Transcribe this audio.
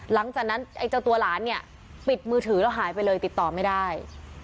หลังจากนั้นไอ้เจ้าตัวหลานเนี่ยปิดมือถือแล้วหายไปเลยติดต่อไม่ได้